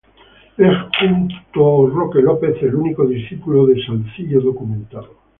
Es junto Roque López el único discípulo de Salzillo documentado.